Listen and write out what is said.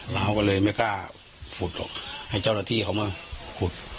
เราก็เลยไม่กล้าขุดหรอกให้เจ้าหน้าที่เขามาขุด